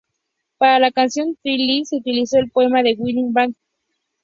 Para la canción "The Lily", se utilizó el poema de William Blake, "The Lily".